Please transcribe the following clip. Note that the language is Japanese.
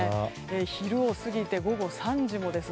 昼を過ぎて午後３時もです。